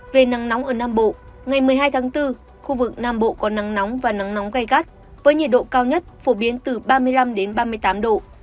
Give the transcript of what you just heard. về nắng nóng ở nam bộ ngày một mươi hai tháng bốn khu vực nam bộ có nắng nóng và nắng nóng gai gắt với nhiệt độ cao nhất phổ biến từ ba mươi năm ba mươi tám độ